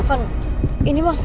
jangan sih mohon